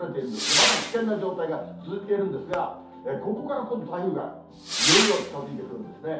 まだ危険な状態が続いているんですが、ここから今度、台風がいよいよ近づいてくるんですね。